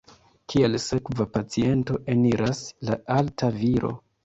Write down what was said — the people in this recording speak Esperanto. Kiel sekva paciento eniras la alta viro.